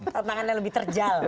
tantangannya lebih terjal